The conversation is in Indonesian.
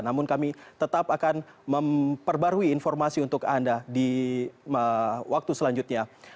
namun kami tetap akan memperbarui informasi untuk anda di waktu selanjutnya